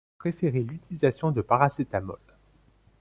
Préférer l'utilisation de paracétamol.